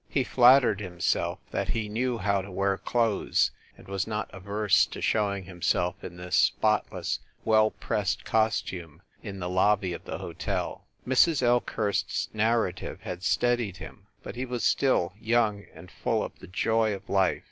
He flattered himself that he knew how to wear clothes, and was not averse to showing himself in this spotless, well pressed costume in the lobby of the hotel. Mrs. Elkhurst s narrative had steadied him, but he was still young and full of the joy of life.